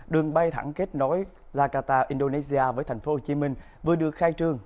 đường bay thẳng kết nối jakarta indonesia với thành phố hồ chí minh vừa được khai trương